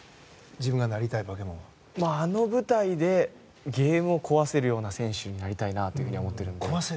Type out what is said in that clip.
あの舞台でゲームを壊せるような選手になりたいなと思っています。